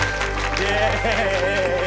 イエーイ！